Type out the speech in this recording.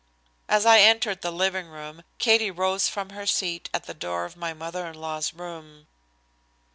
As I entered the living room Katie rose from her seat at the door of my mother in law's room.